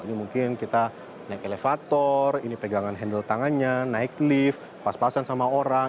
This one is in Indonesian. ini mungkin kita naik elevator ini pegangan handle tangannya naik lift pas pasan sama orang